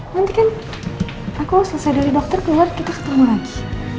nanti kan aku selesai dari dokter keluar kita ketemu lagi